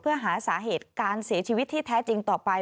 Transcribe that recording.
เพื่อหาสาเหตุการเสียชีวิตที่แท้จริงต่อไป